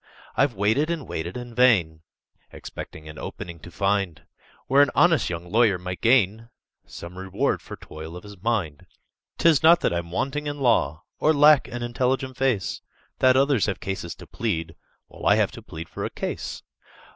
"I've waited and waited in vain, Expecting an 'opening' to find, Where an honest young lawyer might gain Some reward for toil of his mind. "'Tis not that I'm wanting in law, Or lack an intelligent face, That others have cases to plead, While I have to plead for a case.